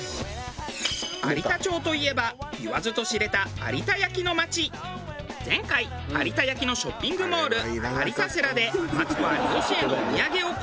有田町といえばいわずと知れた前回有田焼のショッピングモールアリタセラでマツコ有吉へのお土産を購入。